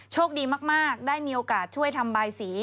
โชคดีมากได้มีโอกาสช่วยทำบายสี